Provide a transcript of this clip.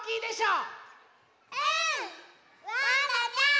うん！